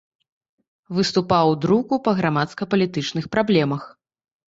Выступаў у друку па грамадска-палітычных праблемах.